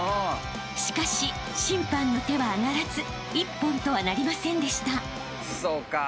［しかし審判の手は上がらず一本とはなりませんでした］